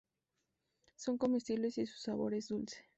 Son comestibles y su sabor es dulce.